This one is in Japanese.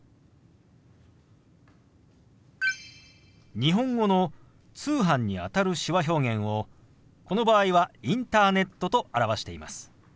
日本語の「通販」にあたる手話表現をこの場合は「インターネット」と表しています。